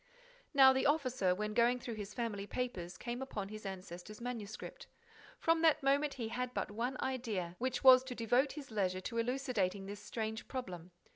Now the officer, when going through his family papers, came upon his ancestor's manuscript. From that moment, he had but one idea, which was to devote his leisure to elucidating this strange problem.